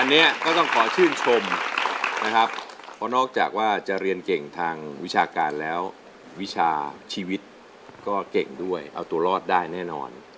อันนี้ก็ต้องขอชื่นชมนะครับเพราะนอกจากว่าจะเรียนเก่งทางวิชาการแล้ววิชาชีวิตก็เก่งด้วยเอาตัวรอดได้แน่นอน